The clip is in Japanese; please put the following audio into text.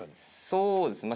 そうですね。